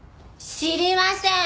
知りません！